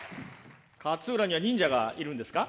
勝浦には忍者がいるんですか？